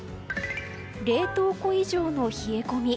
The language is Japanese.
冷凍庫以上の冷え込み。